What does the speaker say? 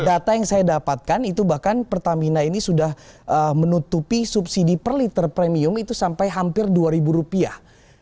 data yang saya dapatkan itu bahkan pertamina ini sudah menutupi subsidi per liter premium itu sampai hampir dua ribu rupiah